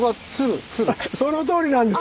そのとおりなんです！